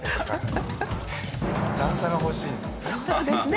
段差が欲しいんですね。